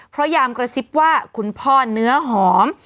พยายามกระซิบว่าคุณพ่อเนื้อหอม